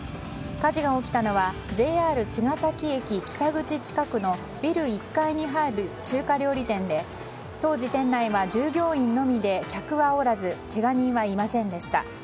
火事が起きたのはＪＲ茅ヶ崎駅北口近くのビル１階に入る中華料理店で当時、店内は従業員のみで客はおらずけが人はいませんでした。